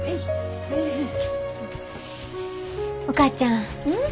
お母ちゃん。